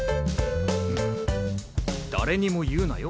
誰にも言うなよ